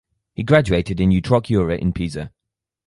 He graduated in utroque iure in Pisa.